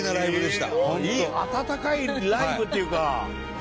温かいライブというか。